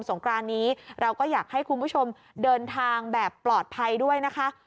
งกรานนี้เราก็อยากให้คุณผู้ชมเดินทางแบบปลอดภัยด้วยนะคะ